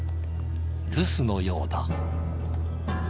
留守のようだ。